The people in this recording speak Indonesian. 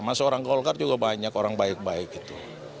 masa orang golkar juga banyak orang baik baik gitu